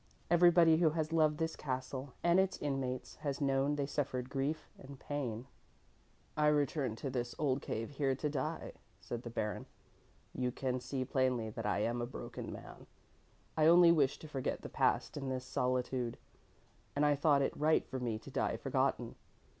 Everybody who has loved this castle and its inmates has known they suffered grief and pain." "I returned to this old cave here to die," said the Baron. "You can see plainly that I am a broken man. I only wished to forget the past in this solitude, and I thought it right for me to die forgotten.